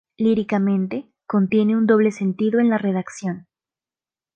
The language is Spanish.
Líricamente, contiene un doble sentido en la redacción.